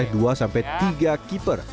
hanya oleh dua tiga keeper